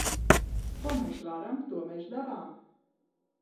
Ko mēs varam, to mēs darām!